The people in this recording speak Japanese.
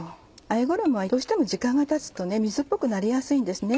あえ衣はどうしても時間がたつと水っぽくなりやすいんですね。